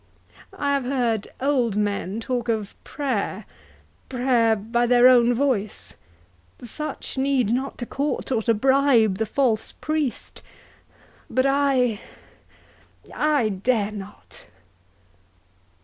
—I have heard old men talk of prayer—prayer by their own voice—Such need not to court or to bribe the false priest—But I—I dare not!"